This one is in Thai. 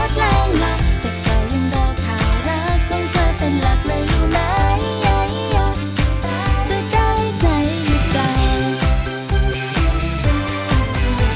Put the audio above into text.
สามารถรับชมได้ทุกวัย